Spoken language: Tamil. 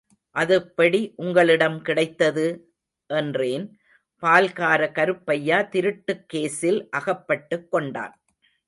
அதெப்படி உங்களிடம் கிடைத்தது? என்றேன், பால்கார கருப்பையா திருட்டுக் கேசில் அகப்பட்டுக் கொண்டான்.